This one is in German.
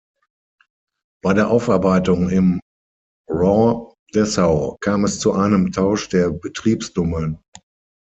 Bei der Aufarbeitung im Raw Dessau kam es zu einem Tausch der Betriebsnummern.